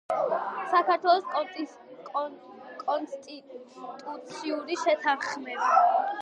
საქართველოს კონსტიტუციური შეთანხმება;